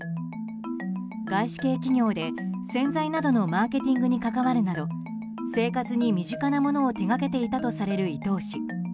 外資系企業で洗剤などのマーケティングに関わるなど生活に身近なものを手掛けていたとされる伊東氏。